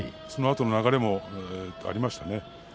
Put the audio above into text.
そのあとの流れもありましたね。